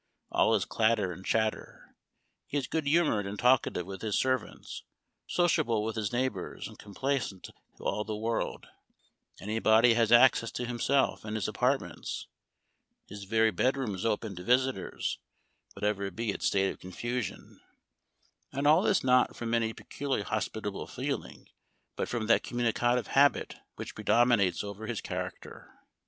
All is clatter and chatter. He is good humored and talkative with his servants, sociable with his neigh bors, and complaisant to all the world ; any body has access to himself and his apartments ; his very bed room is open to visitors, whatever be Memoir of Washington Irving. 263 its state of confusion ; and all this not from any peculiarly hospitable feeling, but from that com municative habit which predominates over his character.